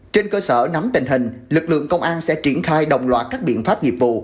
trên cơ sở nắm tình hình lực lượng công an sẽ triển khai đồng loạt các biện pháp nghiệp vụ